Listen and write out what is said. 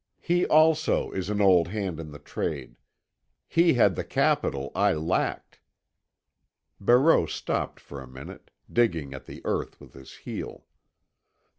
He also is an old hand in the trade. He had the capital I lacked." Barreau stopped for a minute, digging at the earth with his heel.